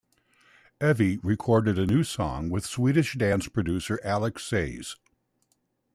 Evi recorded a new song with Swedish dance producer Alex Sayz.